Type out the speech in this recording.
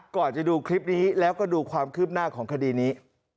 ก่อนจะดูคลิปนี้แล้วก็ดูความคืบหน้าของคดีนี้